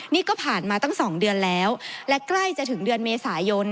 นี่ก็ผ่านมาตั้ง๒เดือนแล้วและใกล้จะถึงเดือนเมษายน